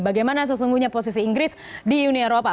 bagaimana sesungguhnya posisi inggris di uni eropa